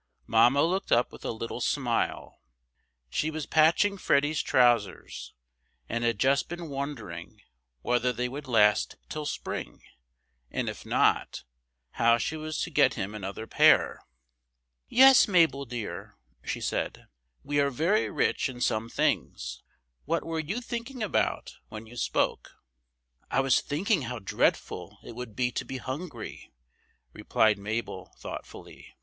Mamma looked up with a little smile; she was patching Freddy's trousers, and had just been wondering whether they would last till spring, and if not, how she was to get him another pair. "Yes, Mabel dear," she said. "We are very rich in some things. What were you thinking about when you spoke?" "I was thinking how dreadful it would be to be hungry," replied Mabel, thoughtfully.